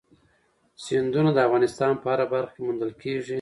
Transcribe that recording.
سیندونه د افغانستان په هره برخه کې موندل کېږي.